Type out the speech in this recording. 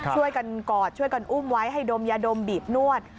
ช่วยกันกอดช่วยกันอุ้มไว้ให้ดมยาดมบีบนวด